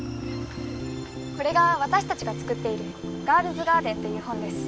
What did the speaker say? これが私たちが作っている『ガールズガーデン』っていう本です。